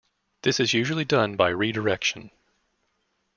This is usually done by redirection.